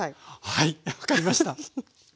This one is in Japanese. はい分かりました。